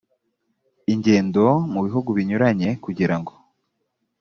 ingendo mu bihugu binyuranye kugira ngo